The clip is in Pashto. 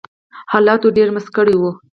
حالاتو ډېر مست کړي وو